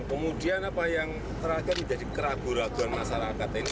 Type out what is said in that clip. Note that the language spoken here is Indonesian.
kemudian apa yang terakhir menjadi keraguan keraguan masyarakat ini